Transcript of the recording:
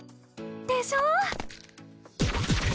でしょ！